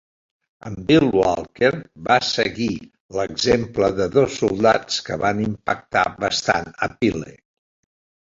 En Bill Walker, va seguir l'exemple de dos soldats que van impactar bastant a Pyle.